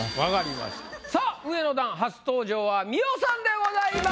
さぁ上の段初登場は美緒さんでございます。